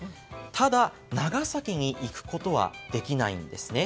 ただ、長崎に行くことはできないんですね。